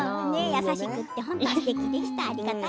優しくて本当にすてきでした。